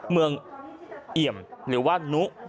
เมืองเอี่ยมหรือว่านุ